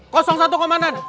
kosong satu komandan